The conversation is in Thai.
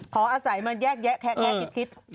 ขออาศัยมาแยกแค่คิด